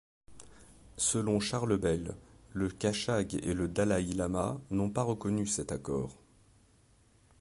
Selon Charles Bell, le Kashag et le dalaï-lama n'ont pas reconnu cet accord.